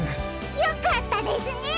よかったですね！